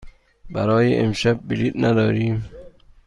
برای امشب بلیط نداریم.